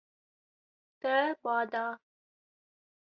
Te ba da.